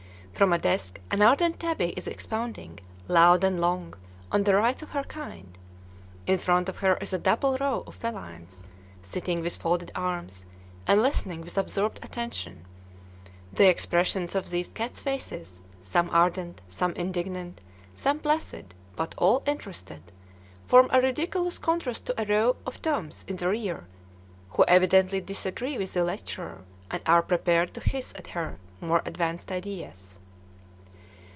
From a desk an ardent tabby is expounding, loud and long, on the rights of her kind. In front of her is a double row of felines, sitting with folded arms, and listening with absorbed attention. The expressions of these cats' faces, some ardent, some indignant, some placid, but all interested, form a ridiculous contrast to a row of "Toms" in the rear, who evidently disagree with the lecturer, and are prepared to hiss at her more "advanced" ideas.